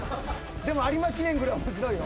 でも有馬記念ぐらい面白いよ。